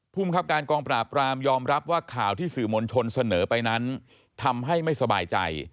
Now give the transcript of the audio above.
ภูมิครับการกองปราบรามยอมรับว่าข่าวที่สื่อมวลชนเสนอไปนั้นทำให้ไม่สบายใจ